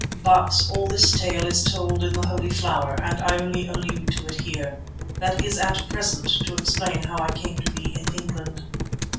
But all this tale is told in "The Holy Flower," and I only allude to it here, that is at present, to explain how I came to be in England.